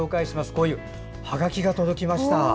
こういうはがきが届きました。